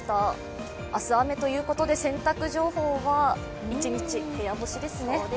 明日雨ということで洗濯情報は、一日部屋干しですね。